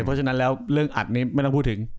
เพราะฉะนั้นแล้วเรื่องอัดนี้ไม่ต้องพูดถึง